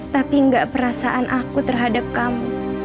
tapi enggak perasaan aku terhadap kamu